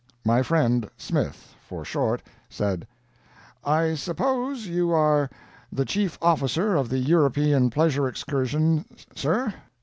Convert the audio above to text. My friend—Smith, for short—said: "I suppose you are the chief officer of the European pleasure excursion, sir.